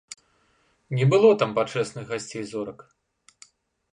Не было там пачэсных гасцей-зорак.